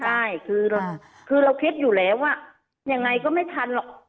ใช่คือเราคิดอยู่แล้วว่ายังไงก็ไม่ทันหรอก